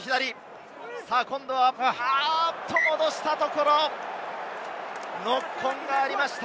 戻したところ、ノックオンがありました。